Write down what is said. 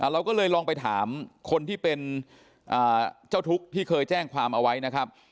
เราก็เลยลองไปถามคนที่เป็นเจ้าทุกข์ที่เคยแจ้งความเอาไว้นะครับ